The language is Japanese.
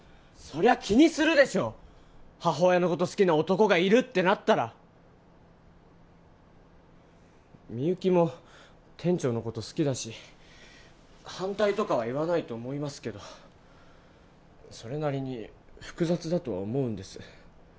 そりゃ気にするでしょ母親のこと好きな男がいるってなったらみゆきも店長のこと好きだし反対とかは言わないと思いますけどそれなりに複雑だとは思うんです